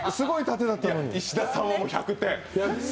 石田さん、１００点。